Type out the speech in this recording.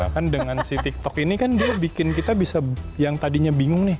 kan dengan si tiktok ini kan dia bikin kita bisa yang tadinya bingung nih